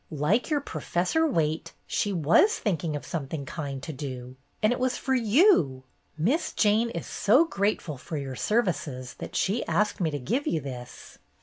Like your Professor Wayte, she was thinking of something kind to do, and it was for you ! Miss Jane is so grateful for your services that she asked me to give you this."